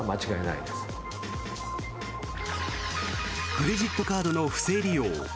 クレジットカードの不正利用。